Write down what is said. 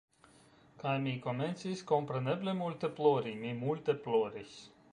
Kaj mi komencis kompreneble multe plori. Mi multe ploris.